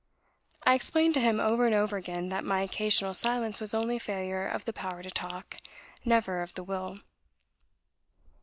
I explained to him over and over again, that my occasional silence was only failure of the power to talk, never of the will.